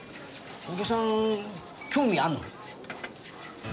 お客さん興味あるの？